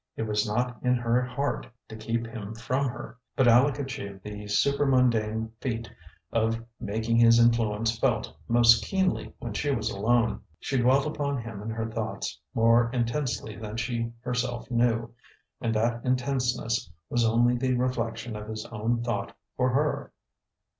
It was not in her heart to keep him from her; but Aleck achieved the supermundane feat of making his influence felt most keenly when she was alone. She dwelt upon him in her thoughts more intensely than she herself knew; and that intenseness was only the reflection of his own thought for her.